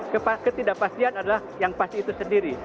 ketidakpastian adalah yang pasti itu sendiri